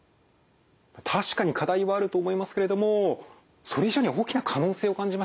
確かに課題はあると思いますけれどもそれ以上に大きな可能性を感じました。